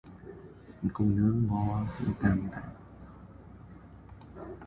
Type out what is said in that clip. Mặt cô nớ ngó cũng tàm tạm